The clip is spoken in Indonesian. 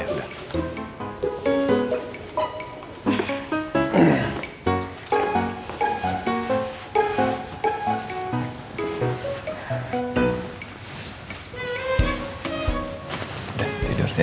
udah tidur ya